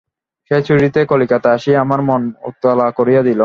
সে ছুটিতে কলিকাতায় আসিয়া আমার মন উতলা করিয়া দিল।